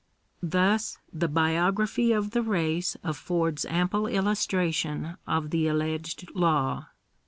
Thus, the biography of the race affords ample illustration of the alleged law.